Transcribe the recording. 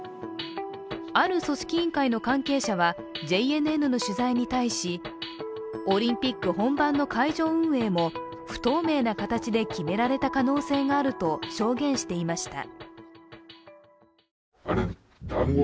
ある組織委員会の関係者はＪＮＮの取材に対し、オリンピック本番の会場運営も不透明な形で決められた可能性があると証言していました。